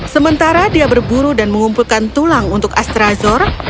sementara dia berburu dan mengumpulkan tulang untuk astrazor